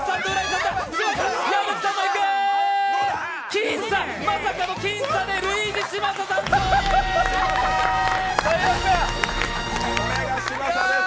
僅差、まさかの僅差でルイージ嶋佐さん勝利です！